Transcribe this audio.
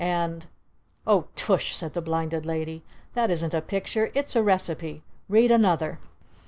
And "Oh Tush!" said the Blinded Lady. "That isn't a picture! It's a recipe! Read another!"